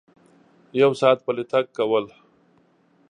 یو ساعت پلی تګ کول